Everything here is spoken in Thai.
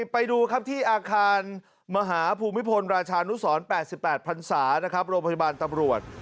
ไปดูครับที่อาคารมหาภูมิพลราชานุสร๘๘พันศานะครับโรงพยาบาลตำรวจ